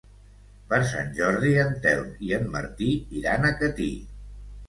Per Sant Jordi en Telm i en Martí iran a Catí.